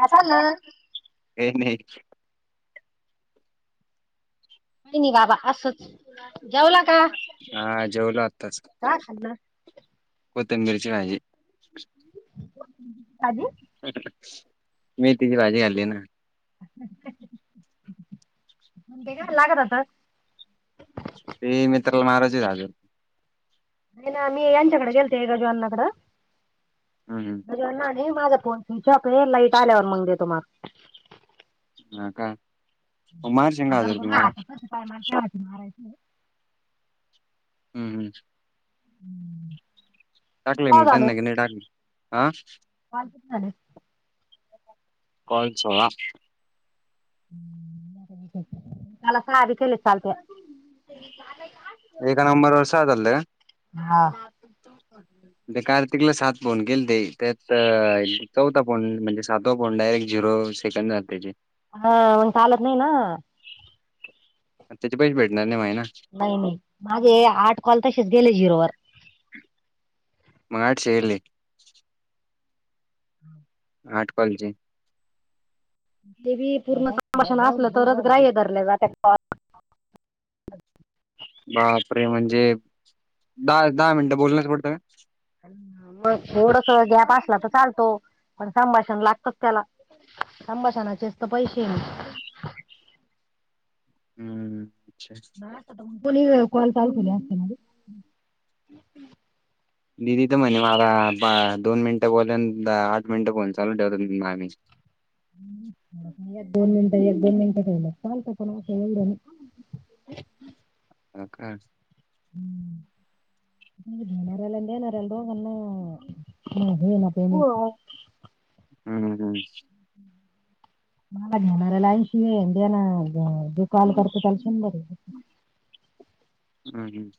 काय चाललं नाही [inaudible] नाही बाबा असच जेवला का? हा जेवलो कोथिंबीर ची भाजी. काजी [inaudible] मेथी ची भाजी खाल्ली ना. मग ते घाला घरातच ती मित्राला महाराज राजजून [inaudible] नाही ना मी यांच्याकडे गेलते गजु आण्णा कड. हम ह नाही माझं फोन स्विच ऑफ आहे लाईट आल्यावर मग देतो माझा ह का मारच [inaudible] मारायच [inaudible] हम् हम् किती टाकले पाव मग त्यांना क नाही टाकले हा पालत झाले [inaudible] कॉल सोळा मला साध केल चालतया. एक नंबर वर्ष झाल. हा. मी कार्तिकला सात फोन केलते त्यात चौथा फोन म्हणजे सातवा फोन डायरेक्ट झिरो कशान जातय ते हा मग चालत नाही ना. त्याच पैस भेटणार नाही माय. नाही नाही माझे आठ कॉल तसेच गेले झिरोवर. मग [inaudible] हम आठ कॉलचे... हे पूर्ण संभाषण असलं तरच ग्राह्य धरल्या जातात कॉल ह बापरे म्हणजे दहा दहा मिनटं बोलणच पडतं का? मग थोडस गॅप असला तर चालतो पण संभाषण लागतच त्याल संभाषणाचे तर पैसे आहेत. हम्म अच्छा. कोणी कॉल चालू केल असत ना. दिदी तर म्हणे मला दोन मिनिटं बोलल्या आठ मिनट फोन चालू ठेव आम्ही एक दोन मिनिटं एक दोन मिनिटंलं बोललं चालतं पण असं एवढं नाही. हो का नेणाऱ्या नेणाऱ्या रोगांना पणे [unintelligible] हम्म हम्म मला घेणारला ऐंशी ये दे ना दु कॉल करत त्याल संद बरी [unintelligible] हम्म हम्म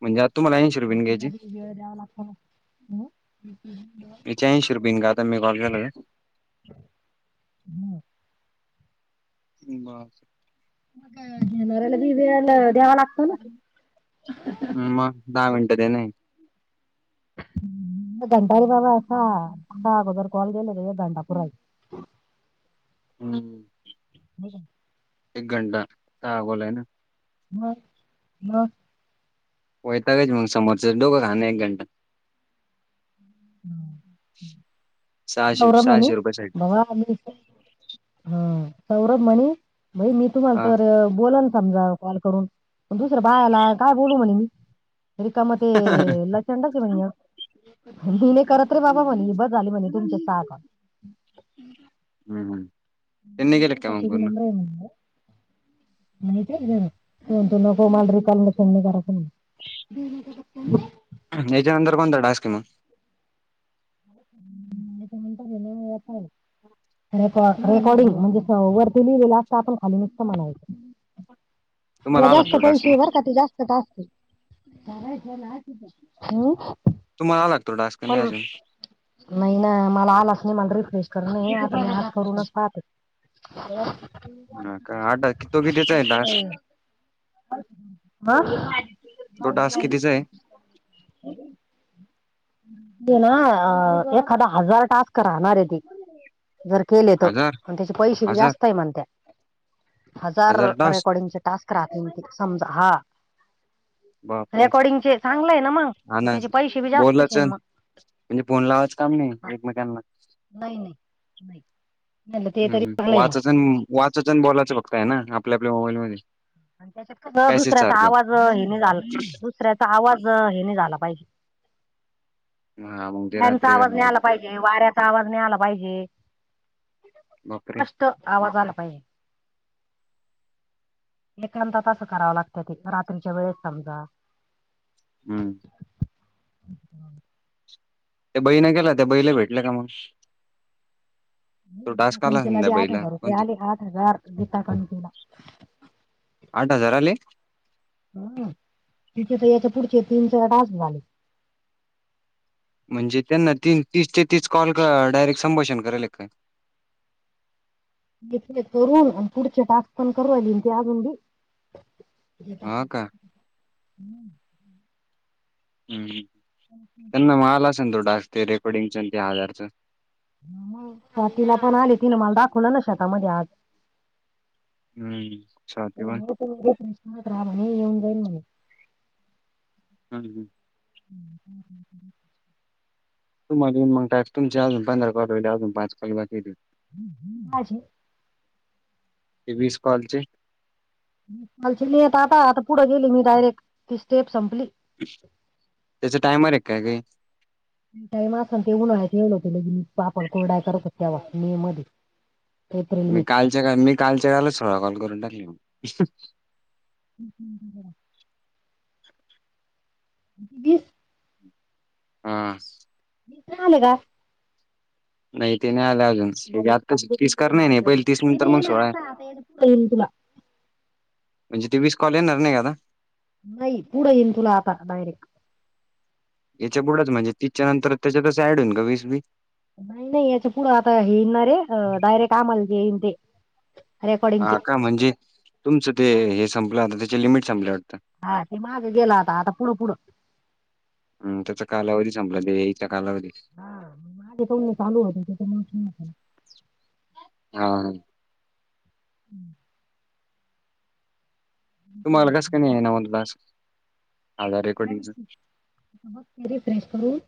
म्हणजे आ तुम्हाला ऐशी रूपयेने घ्यायची वला आप [unintelligible] ह् हम् ह [inaudible] बेच्चनशी रूपये का आता मी कॉल केला हं. बरं ला बी वला द्यावा लागतो ना क [inaudible] मग दहा मिनटं देणे. दंडारी बाबा असाा अगोदर कॉल गेले तर दंडापूरयच. हम्म ठीक आहे एक घंटा लागवल ना हा हा वैतागच मग समोरचं डोघं खा एक घंटा हम सहाशे गौरमणे सहाशे रुपयासाठी बघ आ हम्म सौरभ म्हणी भाई मी तुम्हाला हा तर बोलल समजा कॉल करून दुसर्या बाळाला काय बोलू म्हणली रिकाम ते लचंडच आहे म्हणे मी नाही करत रे बाबा बस झालं म्हणली तुमचं साग हम्म हम्म माे माल पाकी की नबर म्ह आहे [unintelligible] नाही तु नको मांलरी काल समणी करा पण [inaudible] हेच्या नंतर कोणता टास्क मग? काून तरर ना हो पल [inaudible] [inaudible] रेकॉर्डिंग म्हणजे वरती लिहिलेलं असतं आपण खाली नुसतं म्हणायचं मला तुम्हाला आला जास्त तो टास्क पैसे मग बरका ते जास्त हम! [unintelligible] तुम्हाला आला का तो टाक्स का अजून नाही ना मला आलाच नाही मला रिफ्रेश करून आता करूनच पाहते. का आठ कि तो कितीचा आहे त [unintelligible] तो टास्क कितीचा आहे [unintelligible] ये ना अ एखादा हजार टास्क राहणार आहे ते जर केले तर हजार त्याचे पैसे हजार जास्त आहे म्हणतात हजार रेकॉर्डिंगचे टास्क राहते म समजा हा बापरे रेकॉर्डिंग चे चांगलं आहे ना मग हा ना त्याचे पैसे बी जास्तच बोलाच आहे मग म्हणजे फोन लावाचं काम नाही एकमेकनला नाही नाही नाही. म्हटलं ते हम्म तरी हम्म. चांगलंय मग वाचायचन वाचायचन बोलायचं फक्तय ना. आपल्या आपल्या मोबाईल मध्ये. अन त्याच्यात कस पॅसेज दुसऱ्याचा सारखं आवाज हे नाही झाला दुसऱ्याचा आवाज हे नाही झाला पाहिजे. हा मग [inaudible] ते त्यांचा रात्री आवाज करणं नाही पडत आला पाहिजे. वाऱ्याचा आवाज नाय आला पाहिजे. बापरे. त आवाज आला पाहिजे. एकांतात असं करावं लागतं ते. रात्रीच्या वेळेस समजा. हम्म. त्या बईण केला. त्या बईला भेटल का मग. तो गीता टास्क आला असेल त्या कखेलीला आठ बईला हजार रुपये कोणत आले आठ हजार. गीता कंखेला. आठ हजार आले. ह. तिचे त याच्या पुढचे तीन चार टास्क झाले. म्हणजे त्यांना तीन तीस चे तीस कॉल डायरेक्ट संभाषण करायल का काय? इथले करून, पुढचे टास्क पण करू राहिलेन ती आजून बी. ज हा का हम्! [unintelligible] हम्म हम्म. त्यांना म आला असन तो टास्क. ते रेकॉर्डीिंगचंन ते हाजारचं. मग, स्वातीला पण आले. तीन मला दाखवलं ना शेता मधे आज. हम्म, स्वाती कोन? त प्रश्ात राहाणे येऊन जाईन म्हणे [inaudible] हम्म हम्म. ह् ह ह [unintelligible] तुम्हाला येईल मग टास्क. तुमचे अजून पंधरा कॉल राहिले. अजून पाच कॉल बाकीय ते. [inaudible] माझे. ते वीस कॉलचे. वीस कॉल चे नही येत आता. आता पुढे गेली मी डायरेक्ट. ती स्टेप संपली. त्याचा टायमरे काय काही? टाईम असन ते उन्हाळ्यात येयल होते. लगेली मी पापड कुरडया करत होते तेव्हा. मे मध्ये. एप्रिल मे मी कालच्या काल, मी कालच्या कालच सोळा कॉल करून टाकले म. ह् हम्! [unintelligible] [inaudible] हा. तुला आले का? नाही ते नाही आले अजून. तेचे आताशी तीस करनयने हे. नाही नाही पहिले तीस ते नंतर नाही मग येणार सोळाय. आता आता याच्या पुढे येईल तुला म्हणज ते वीस कॉल येणार नाही का आता? नाही. पुढ येईन तुला आता डायरेक्ट. याच्या पुुढंच म्हणजे तिसच्या नंतर. त्याच्यात ऑड होईन का वीस बी? नाही नाही याच्या पुढं आता हे यईन णारे डायरेक्ट आम्हाला जे येईन ते. रेकॉर्डिंगचे हा का? म्हणजे तुमचं ते हे संपलं आता. त्याचे लिमिट संपल्या वाटतं. हा ते मागं गेला आता. आता पुढ पुढ. हम्म. त्याचा कालावधी संपला. ते यईचा कालावधी. हा. माझे दोन चालू होते. त्याच्यामुळच मी [inaudible] हा ह. [inaudible] तुम्हाला कसं काय नाही यईना मग टास्क? आधार काय रेकॉर्डिंगच म्हणतीस, बघ की रिफ्रेश करून.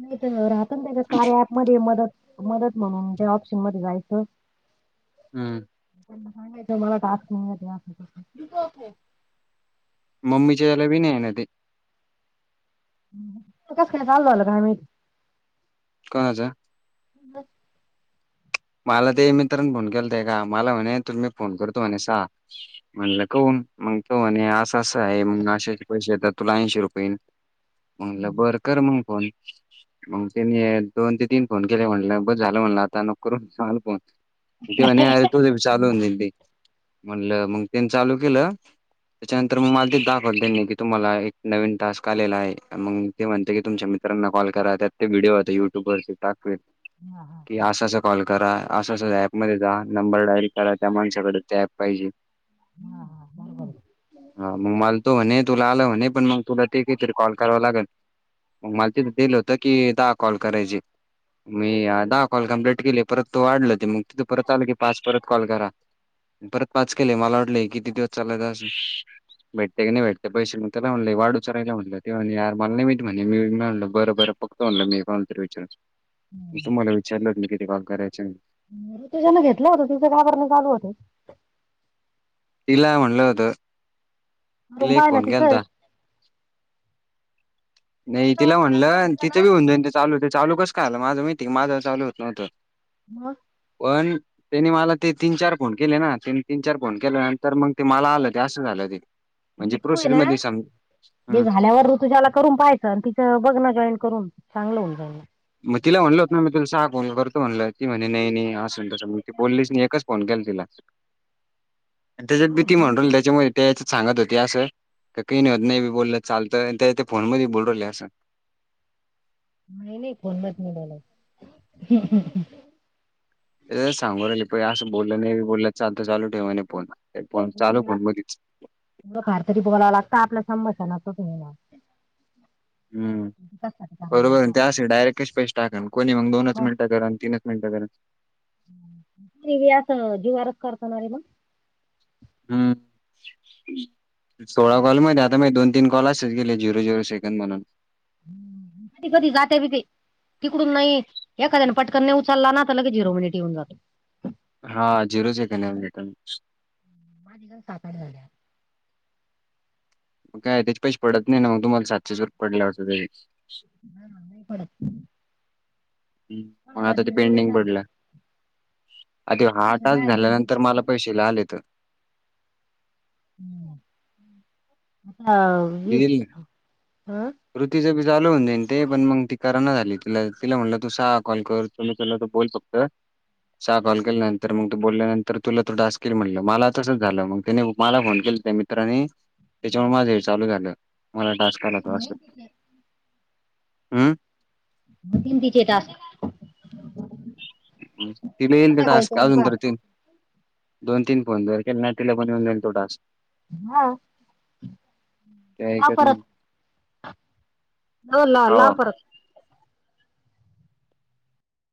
नाही तर राहतना त्याज्यात कार्य ऍप मध्ये मदत मदत म्हणून त्या ऑप्शन मध्ये जायचं. हम्म. सांगाय मला टास्क [unintelligible] असं मम्मीच्या त्याला बी नाय हाय ना ते? कस काय चालू झाला काय माहिती? कोणाचा? मला ते मित्रांन फोन केलाता एका मला म्हणे तुम् मही फोन करतो म्हणे सा. म्हणलं कौन मग तो म्हणे असं असं आहे, मग आशे अशे पैसे येतात तुला ऐंशी रुपय येन. म्हणलं बर. कर मग फोन मग त्यांनी दोन ते तीन फोन केले म्हणलं बस झालं म्हणलं आता नको करून चाल [unintelligible] ते म्हणे तुझ पण चालू होऊन जाईल ते. म्हणलं मग त्यांनी चालू केलं. त्याच्यानंतर मग मला ते दाखवततेनी की तुम्हाला एक नवीन टास्क आलेला आहे मग ते म्हणतते की तुमच्या मित्रांना कॉल करा त्यात ते व्हिडिओ होता युट्यू ववर टाकवेल. हा हा! की असं असं कॉल करा, असं अस ऍप मध्ये जा नंबर डायल करा त्या माणसाकडे ते ऍप पाहिजे. हा म मला तो म्हणे त तुला आलं म्हणे पण मग तुला [unintelligible] तरी कॉल करावा लागल. मग मला तिथं दिलं होतं की दा कॉल करायचे. मी दहा कॉल कंप्लीट केली परत तो वाढल ते मग. तिथं परत आल की पाच परत कॉल करा. परत पाच केले, मला वाटल हे किती दिवस चालायचा असं? भेटते की नाही भेटते पैसे म त्याला म्हणलं वाढूचा राहिला म्हटलं ते् म्हणे मला नाही माहिती म्हणे मी म्हणलं बरं बरं. बागतो म्हणलं मी कोणाला तरी विचारून तुम्हाला विचारलं मी किती काल करायचय. [unintelligible] घेतलं होत तिचं का बरा चालू नाय होतंय? तिला म्हणलं होतं. तिला एक फोन केलता [unintelligible] नाही तिचं तिला करून म्हटलं बघितलं तिचं बी ना ऊन जाईन ते चालू ते चालू कस काय झालं? माझं माहिती माझं चालू होत न्हतं. [unintelligible] पण त्यांनी मला ते तीन चार फोन केले ना त्यांनी तीन चार फोन केल्या नंतर मग ते मला आलं ते असं झालं ते. म्हणजे ऋतू आहे प्रोसेस ना मध्ये समज जे ह झाल्यावर ऋतूच्या करून पाहायचं आणि तिचं बघण जॉईन करून चांगलं होऊन जाईल. मग तिला म्हणल होत ना मी तुला सहा फोन करतो, म्हणल की म्हणे नाही नाही अस न तसं मग ती बोललीच नाही एकच फोन केला तिला. त्याच्यात भी ती ना. म्हणू राहिली त्याच्यामुळे त्याच्यात सांगत होते असं का काही नाही होत नाही काय बी बोललं चालतं त्या ते फोन मध्ये बोलू राहिली असं. [unintelligible] सांगू राहिली पाय असं बोल नाही बोललं चालत चालू ठेव म्हणे फोन, चालू फोन मधीच. मग फार तरी बोलाय लागत आपल्या. [unintelligible] हम् कशासाठी करायला बरोबर लावता ते असे डायरेक्ट कशे पैश टाकण कोणी मग दोनच आपण. मिनिट करन तीनच मिंट करन. [unintelligible] हम्म सोळा कॉल मध्ये आत त मे दोन, तीन कॉल असेच गेले झीरो, झीरो सेकंद म्हणून. कधी कधी जाते बी ते. तिकडून नाही एखाद्या पटकन नाही उचलला ना तर लगे झिरो मिनिट येऊन जातो. हा झेरोज काम का. आणि साताऱ्यात. मग काय त्याच्या पैसे पडत नाही ना मग तुम्हाला सातशे रुपय पडल्यावरटत. ह नंद पड. म आता ते दीड पेंडिंग झाले पडलं. अ ते हा तिकडच्या टास्क बायाला दीड दीड झाल्यानंतर झाले मला पैशे ला आले तर. हां वीस हं कृतीची च भी चालु होऊन जाईन ते पण मंग ती कर ना झाली तिला तिला म्हणलं तू सहा कॉल कर जर उचलला तर बोल फक... अ सहा कॉल केल्यानंतर मग ते बोलल्यानंतर तुला तो टास्क ईल म्हणलं मला तसच झालं मग त्याने मला फोन केलत्या... त राणी. त्याच्यामुळे माझ ही चालू झालं मला टास्क आला त असं हम्... म तीन तिचे टास्क. तील येईल ते टास्क अजुन पहा तर ती..... दोन तीन फोन जर केले न तीला पण येऊन जाईन तो टास्क. हा ते हा ऐकत परत.... नाही. हं ला हो लाव परत.